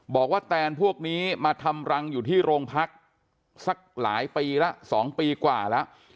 แตนพวกนี้มาทำรังอยู่ที่โรงพักสักหลายปีแล้ว๒ปีกว่าแล้ว